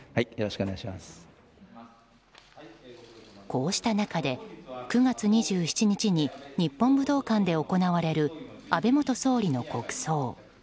こうした中で９月２７日に日本武道館で行われる安倍元総理の国葬。